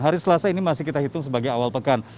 hari selasa ini masih kita hitung sebagai awal pekan